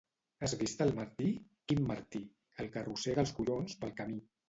—Has vist al Martí? —Quin Martí? —El que arrossega els collons pel camí.